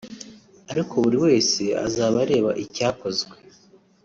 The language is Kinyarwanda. ariko buri wese azaba areba icyakozwe